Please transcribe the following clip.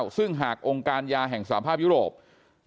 ก็คือเป็นการสร้างภูมิต้านทานหมู่ทั่วโลกด้วยค่ะ